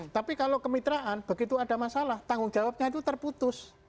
tapi kalau kemitraan begitu ada masalah tanggung jawabnya itu terputus